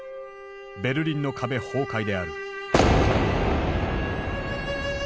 ベルリンの壁崩壊である。